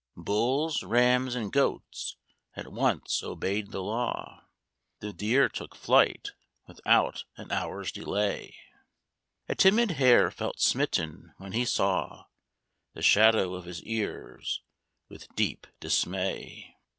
Bulls, Rams, and Goats at once obeyed the law: The Deer took flight, without an hour's delay. A timid Hare felt smitten, when he saw The shadow of his ears, with deep dismay.